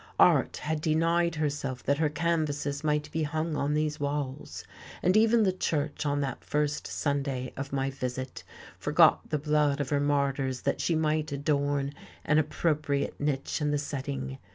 Art had denied herself that her canvases might be hung on these walls; and even the Church, on that first Sunday of my visit, forgot the blood of her martyrs that she might adorn an appropriate niche in the setting.